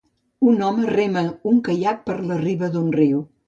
Un home rema un caiac per la riba d'un riu.